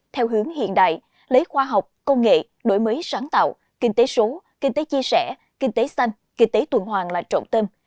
theo hướng hiện đại lấy khoa học công nghệ đổi mới sáng tạo kinh tế số kinh tế chia sẻ kinh tế xanh kinh tế tuần hoàng là trọng tâm